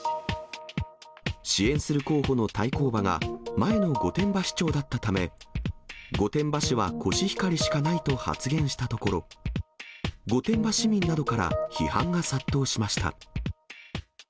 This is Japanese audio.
支援する候補の対抗馬が、前の御殿場市長だったため、御殿場市はコシヒカリしかないと発言したところ、御殿場市民などから批判が殺到しました。